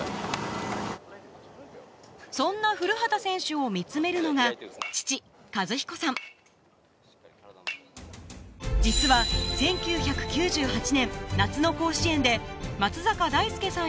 そんな古畑選手を見つめるのが実は１９９８年夏の甲子園で松坂大輔さん